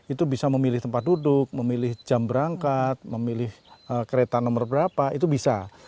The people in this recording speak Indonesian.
itu bisa memilih tempat duduk memilih jam berangkat memilih kereta nomor berapa itu bisa